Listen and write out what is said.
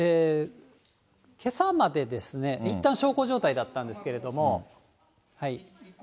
けさまでですね、いったん小康状態だったんですけれども。